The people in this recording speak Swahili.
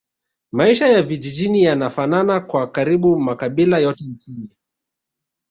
Maisha ya vijijini yanafanana kwa karibu makabila yote nchini